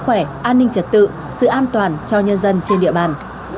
khỏe an ninh trật tự sự an toàn cho nhân dân trên địa bàn